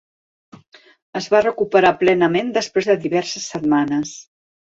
Es va recuperar plenament després de diverses setmanes.